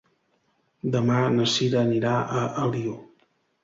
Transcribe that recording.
Demà na Cira anirà a Alió.